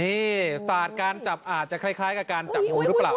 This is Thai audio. นี่ศาสตร์การจับอาจจะคล้ายกับการจับงูหรือเปล่า